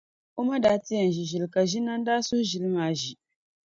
O ma daa ti yɛn ʒi ʒili ka Ʒinani daa suhi ʒili maa n-ʒi.